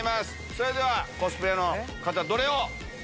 それではコスプレの方どれを？